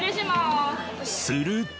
すると。